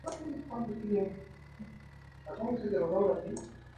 Zope tiene la capacidad multihilo.